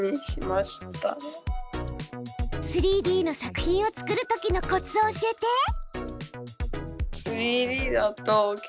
３Ｄの作品を作る時のコツを教えて！